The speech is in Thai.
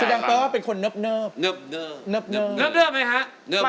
เฮ้ยอย่าลืมฟังเพลงผมอาจารย์นะ